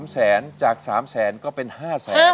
๓แสนจาก๓แสนก็เป็น๕แสน